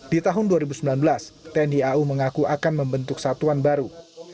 di tahun dua ribu sembilan belas tni au mengaku akan membentuk satuan baru